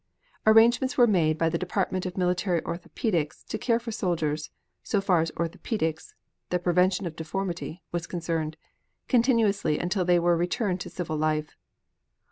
Arrangements were made by the Department of Military Orthopedics to care for soldiers, so far as orthopedics (the prevention of deformity) was concerned, continuously until they were returned to civil life.